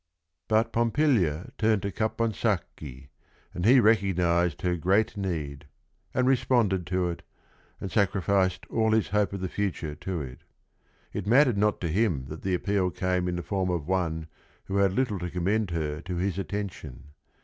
But Pompilia turned to Caponsacchi, and he recognized her great need, and responded to it, and sacrificed all his hope of the future to it. It mattered not to him that the appeal came in the form of one who had little to commend her to his attention.